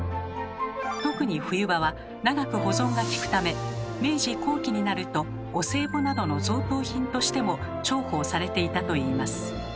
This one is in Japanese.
特に冬場は長く保存がきくため明治後期になるとお歳暮などの贈答品としても重宝されていたといいます。